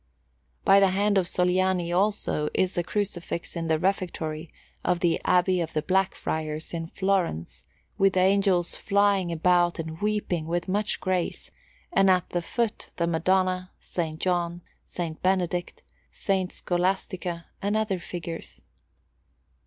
By the hand of Sogliani, also, is a Crucifix in the Refectory of the Abbey of the Black Friars in Florence, with angels flying about and weeping with much grace; and at the foot the Madonna, S. John, S. Benedict, S. Scholastica, and other figures.